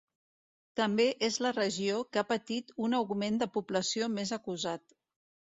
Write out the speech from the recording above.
També és la regió que ha patit un augment de població més acusat.